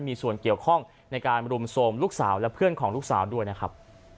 มีส่วนเกี่ยวข้องในการรุมโทรมลูกสาวและเพื่อนของลูกสาวด้วยนะครับ